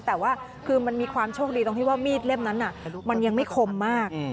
แต่ว่าคือมันมีความโชคดีตรงที่ว่ามีดเล่มนั้นมันยังไม่คมมาก